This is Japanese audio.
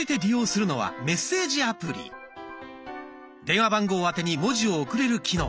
電話番号宛てに文字を送れる機能。